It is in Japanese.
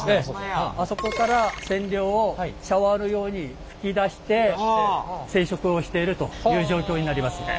あそこから染料をシャワーのように噴き出して染色をしているという状況になりますね。